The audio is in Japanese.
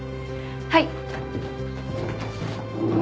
はい。